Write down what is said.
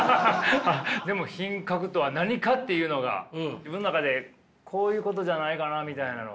でも品格とは何かっていうのが自分の中でこういうことじゃないかなみたいなのは？